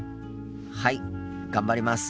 はい頑張ります。